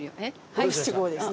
五七五ですね。